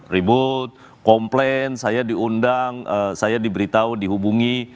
ribut komplain saya diundang saya diberitahu dihubungi